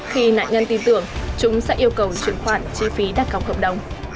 khi nạn nhân tin tưởng chúng sẽ yêu cầu chuyển khoản chi phí đặt cọc hợp đồng